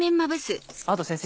あと先生